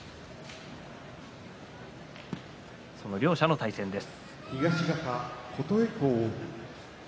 その両者の対戦です。